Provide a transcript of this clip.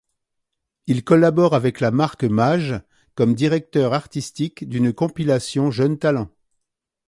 Il collabore avec la marque Maje, comme directeur artistique d’une compilation jeunes talents.